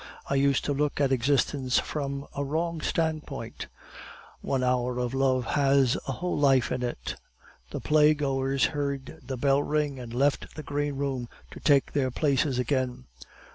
"I used to look at existence from a wrong standpoint. One hour of love has a whole life in it." The playgoers heard the bell ring, and left the greenroom to take their places again.